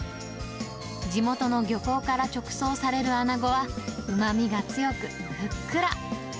地元の漁港から直送されるアナゴは、うまみが強く、ふっくら。